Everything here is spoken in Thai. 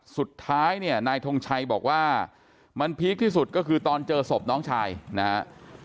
สุดท้ายเนี่ยนายทงชัยบอกว่ามันพีคที่สุดก็คือตอนเจอศพน้องชายนะครับ